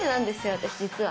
私実は。